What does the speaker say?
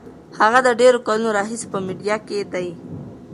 هغه د ډېرو کلونو راهیسې په میډیا کې دی.